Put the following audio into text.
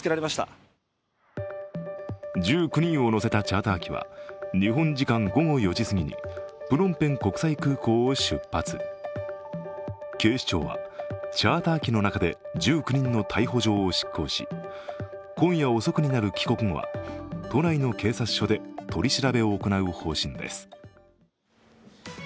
１９人を乗せたチャーター機は日本時間午後４時すぎに警視庁はチャーター機の中で１９人の逮捕状を執行し、今夜遅くになる帰国後は都内の警察署で取り調べを行う方針です。